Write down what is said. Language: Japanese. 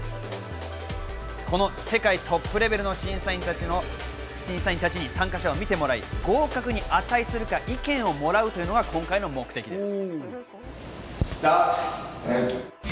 この世界トップレベルの審査員たちに参加者を見てもらい、合格に値するか意見をもらうというのが今回の目的です。